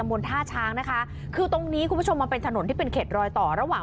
นท่าช้างนะคะคือตรงนี้คุณผู้ชมมันเป็นถนนที่เป็นเขตรอยต่อระหว่าง